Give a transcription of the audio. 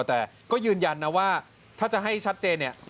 แต่ก็ยืนยันนะว่าถ้าจะให้ชัดเจนเนี่ย